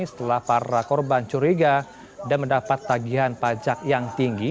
setelah para korban curiga dan mendapat tagihan pajak yang tinggi